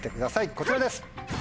こちらです！